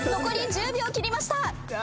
残り１０秒切りました！